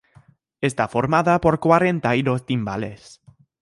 La población autóctona de esta región es shapsug.